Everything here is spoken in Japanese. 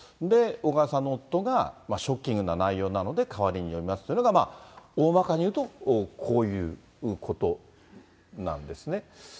小川さんの夫が、ショッキングな内容なので、代わりに読みますというのが、大まかにいうと、こういうことなんですね。